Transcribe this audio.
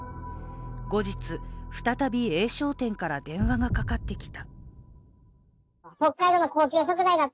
後日、再びＡ商店から電話がかかってきた。